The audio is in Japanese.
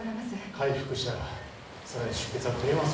開腹したらさらに出血は増えます